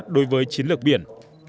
đối với chiến lược biển